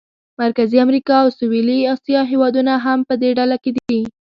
مرکزي امریکا او سویلي اسیا هېوادونه هم په دې ډله کې دي.